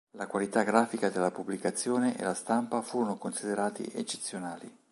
La qualità grafica della pubblicazione e la stampa furono considerati eccezionali.